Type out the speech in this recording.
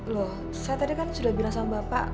loh saya tadi kan sudah bilang sama bapak